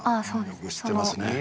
よく知ってますね。